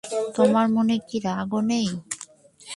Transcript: তোমার মনে কি রাগও নেই?